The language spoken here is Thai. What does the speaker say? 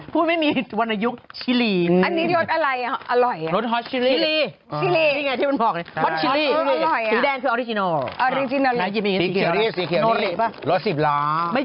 เป็นรสไข่